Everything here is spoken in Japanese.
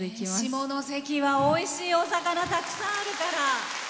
下関はおいしいお魚たくさんあるから。